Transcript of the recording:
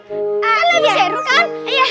kan lebih seru kan